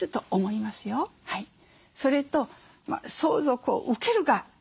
それと相続を受ける側。